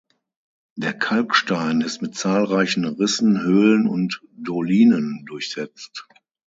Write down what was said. Der Kalkstein ist mit zahlreichen Rissen, Höhlen und Dolinen durchsetzt.